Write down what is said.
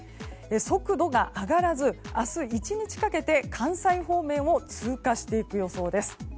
速度が上がらず、明日１日かけて関西方面を通過していく予想です。